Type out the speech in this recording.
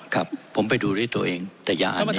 ครับผมไปดูด้วยตัวเองแต่อย่าอ่านนะ